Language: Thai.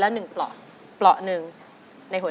นี่คือเพลงที่นี่